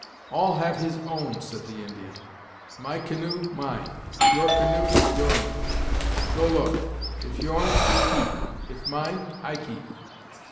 "All have his own," said the Indian; "my canoe, mine; your canoe, your'n. Go look; if your'n, you keep; if mine, I keep."